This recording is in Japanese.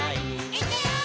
「いくよー！」